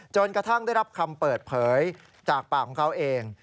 กระทั่งได้รับคำเปิดเผยจากปากของเขาเอง